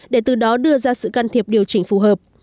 để từ đó đưa ra sự can thiệp điều chỉnh phù hợp